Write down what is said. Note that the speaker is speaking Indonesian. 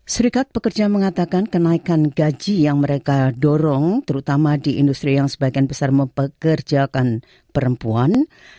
serikat pekerja mengatakan kenaikan gaji yang mereka dorong terutama di industri yang sebagian besar mempekerjakan perempuan